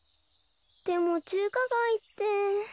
でも中華街って。